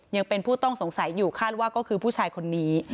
ยังเป็นผู้ต้องสงสัยอยู่คาดว่าก็คือผู้ชายคนนี้